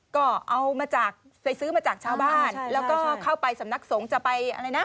ก็เอามาจากไปซื้อมาจากชาวบ้านแล้วก็เข้าไปสำนักสงฆ์จะไปอะไรนะ